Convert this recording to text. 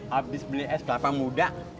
habis beli es kelapa muda